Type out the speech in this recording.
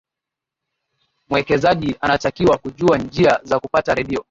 mwekezaji anatakiwa kujua njia za kupata redio